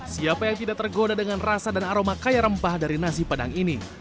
siapa yang tidak tergoda dengan rasa dan aroma kaya rempah dari nasi padang ini